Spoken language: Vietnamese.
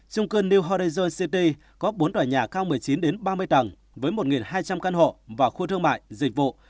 chung cư new harrison city có bốn tòa nhà cao một mươi chín ba mươi tầng với một hai trăm linh căn hộ và khu thương mại dịch vụ